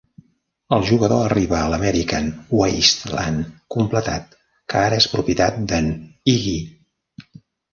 El jugador arriba al American Wasteland completat, que ara és propietat d'en Iggy.